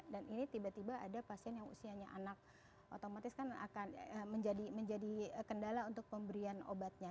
dan ini tiba tiba ada pasien yang usianya anak otomatis akan menjadi kendala untuk pemberian obatnya